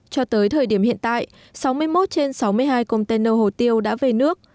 cho tới thời điểm hiện tại sáu mươi một trên sáu mươi hai công tên nô hồ tiêu đã về nước